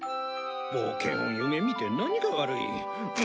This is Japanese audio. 冒険を夢見て何が悪い。